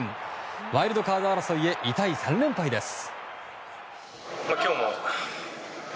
ワイルドカード争いへ痛い３連敗です。